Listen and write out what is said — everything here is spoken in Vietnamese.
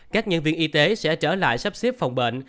các nhân viên y tế sẽ trở lại sắp xếp phòng bệnh